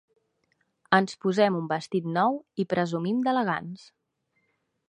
Ens posem un vestit nou i presumim d'elegants.